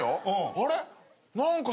「あれ？